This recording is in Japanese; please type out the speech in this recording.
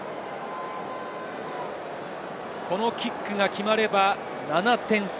このキックが決まれば７点差。